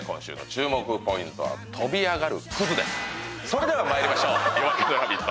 それではまいりましょう「夜明けのラヴィット！」